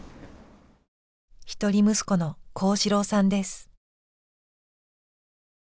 一人息子の甲子郎さんです。